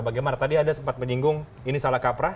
bagaimana tadi anda sempat menyinggung ini salah kaprah